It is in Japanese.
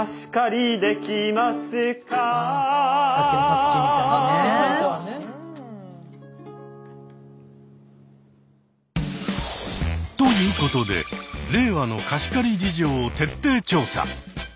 パクチー借りたわね。ということで令和の貸し借り事情を徹底調査。